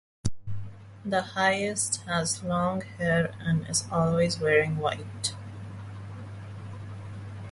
The Highest has long hair and is always wearing white.